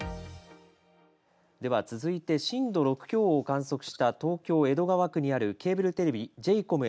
では続いて震度６強を観測した東京・江戸川区にあるケーブルテレビＪ：ＣＯＭ